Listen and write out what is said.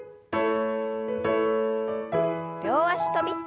両脚跳び。